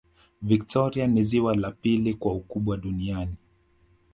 victoria ni ziwa la pili kwa ukubwa duniani